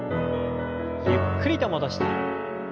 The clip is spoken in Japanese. ゆっくりと戻して。